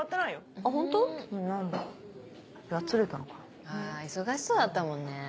あぁ忙しそうだったもんね。